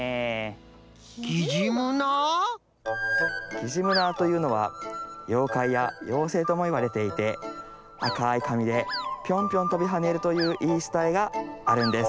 キジムナーというのはようかいや妖精ともいわれていてあかいかみでピョンピョンとびはねるといういいつたえがあるんです。